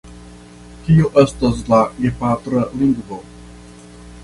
Kio estas la gepatra lingvo?